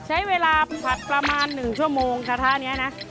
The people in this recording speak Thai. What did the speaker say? ใช้เวลาผัดประมาณ๑ชั่วโมงกระทะนี้นะ